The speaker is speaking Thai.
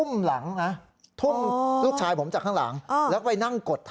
มาม้วน